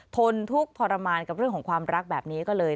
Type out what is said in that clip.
ทนทุกข์ทรมานกับเรื่องของความรักแบบนี้ก็เลย